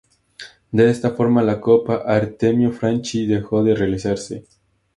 De esta forma, la Copa Artemio Franchi dejó de realizarse.